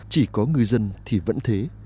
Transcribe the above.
chỉ có người dân thì vẫn thế